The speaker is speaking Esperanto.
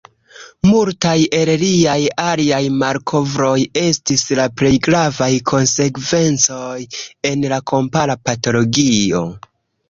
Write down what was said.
Multaj el liaj aliaj malkovroj estis la plej gravaj konsekvencoj en la kompara patologio.